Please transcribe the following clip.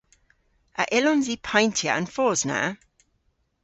A yllons i payntya an fos na?